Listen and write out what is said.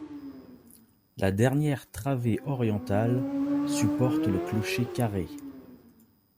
La dernière travée orientale supporte le clocher carré.